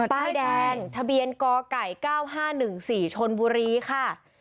ป้ายแดงทะเบียนกไก่๙๕๑๔ชนบุรีค่ะ